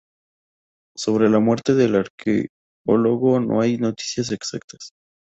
Sobre la muerte del arqueólogo no hay noticias exactas.